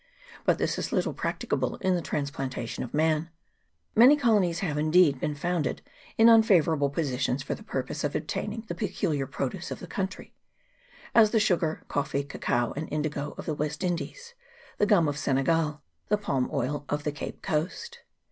But this is little practicable in the transplantation of man Many colonies have, indeed, been founded in unfavourable positions for the purpose of obtain ing the peculiar produce of the country, as the sugar, coffee, cacao, and indigo of the West Indies, the gum of Senegal, the palm oil of the Cape Coast.